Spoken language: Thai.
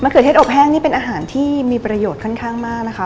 เขือเทศอบแห้งนี่เป็นอาหารที่มีประโยชน์ค่อนข้างมากนะคะ